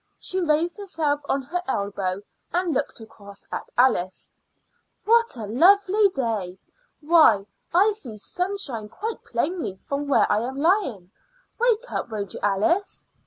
She raised herself on her elbow and looked across at Alice. "What a lovely day! Why, I see sunshine quite plainly from where I am lying. Wake up, won't you, Alice?"